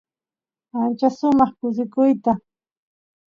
ancha sumaq kusikuyta